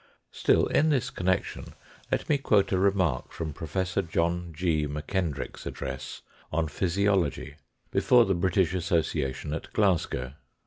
Still, in this connection, let me quote a remark from 214 THE FOURTH DIMENSION Prof. John G. McKendrick's address on Physiology before the British Association at Glasgow.